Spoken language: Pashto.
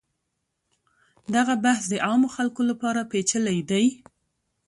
دغه بحث د عامو خلکو لپاره پیچلی دی.